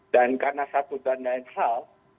dan karena satu tanda lain hal